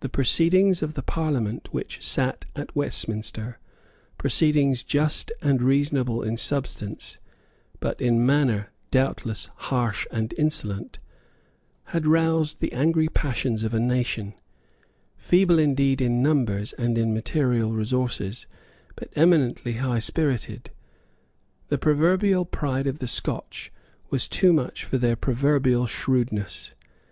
The proceedings of the Parliament which sate at Westminster, proceedings just and reasonable in substance, but in manner doubtless harsh and insolent, had roused the angry passions of a nation, feeble indeed in numbers and in material resources, but eminently high spirited. The proverbial pride of the Scotch was too much for their proverbial shrewdness.